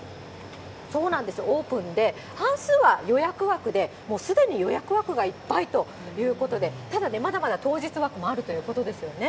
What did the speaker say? オープンで、半数は予約枠で、もうすでに予約枠がいっぱいということで、ただね、まだまだ当日枠もあるということですね。